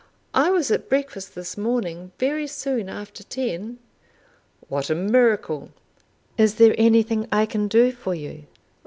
I was at breakfast this morning very soon after ten." "What a miracle! Is there anything I can do for you?"